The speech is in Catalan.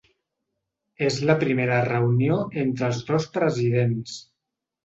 És la primera reunió entre els dos presidents.